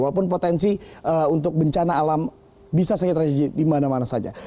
walaupun potensi untuk bencana alam bisa saja terjadi di mana mana saja